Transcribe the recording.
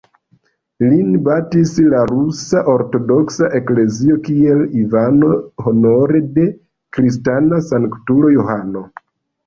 Lin baptis la Rusa Ortodoksa Eklezio kiel Ivano honore de kristana sanktulo "Johano".